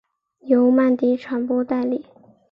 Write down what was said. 由曼迪传播代理。